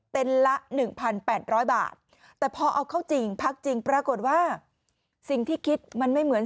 เป็นละ๑๘๐๐บาทแต่พอเอาเข้าจริงพักจริงปรากฏว่าสิ่งที่คิดมันไม่เหมือน